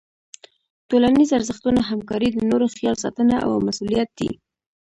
ټولنیز ارزښتونه همکاري، د نورو خیال ساتنه او مسؤلیت دي.